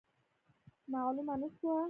معلومه نه سوه.